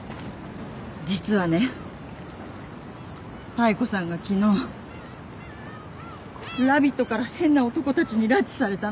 実はね妙子さんが昨日ラビットから変な男たちに拉致されたの。